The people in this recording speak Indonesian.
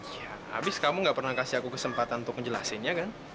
ya abis kamu gak pernah kasih aku kesempatan untuk menjelasinnya kan